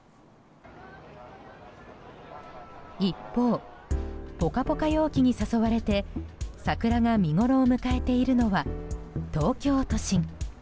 一方、ポカポカ陽気に誘われて桜が見ごろを迎えているのは東京都心。